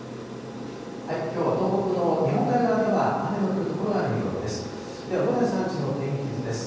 きょうは東北の日本海側では、雨の降る所がある見込みです。